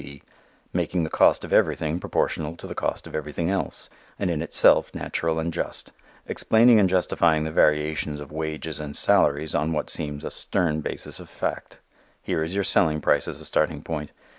B. C.; making the cost of everything proportional to the cost of everything else, and in itself natural and just; explaining and justifying the variations of wages and salaries on what seems a stern basis of fact. Here is your selling price as a starting point.